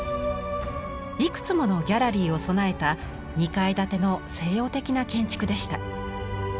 いくつものギャラリーを備えた２階建ての西洋的な建築でした。